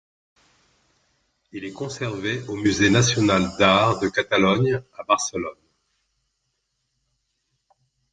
Il est conservé au musée national d'Art de Catalogne à Barcelone.